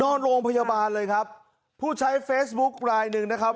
นอนโรงพยาบาลเลยครับผู้ใช้เฟซบุ๊คลายหนึ่งนะครับ